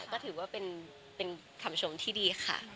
ก็ถือว่าเป็นคำชมที่ดีค่ะ